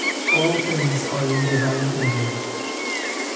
All things are in Divine order.